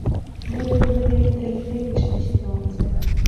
Гэта была вельмі трагікамічная сітуацыя.